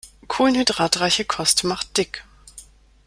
Kohlenhydratreiche Kost macht dick.